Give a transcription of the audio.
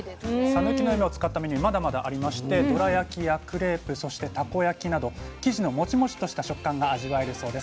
さぬきの夢を使ったメニューまだまだありましてどら焼きやクレープそしてたこ焼きなど生地のモチモチとした食感が味わえるそうです。